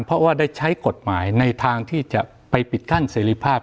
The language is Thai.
เพราะว่าได้ใช้กฎหมายในทางที่จะไปปิดกั้นเสรีภาพ